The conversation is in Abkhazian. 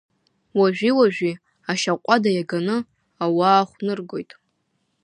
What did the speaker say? Уажәи-уажәи, ашьаҟәада иаганы, ауаа хәныргоит.